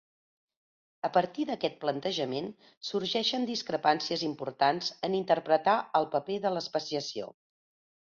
A partir d'aquest plantejament sorgeixen discrepàncies importants en interpretar el paper de l'especiació.